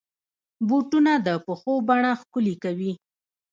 بوټونه د پښو بڼه ښکلي کوي.